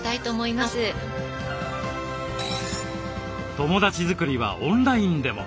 友だち作りはオンラインでも。